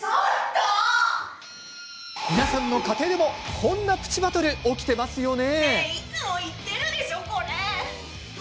皆さんの家庭でも、こんなプチバトル、起きていますよね？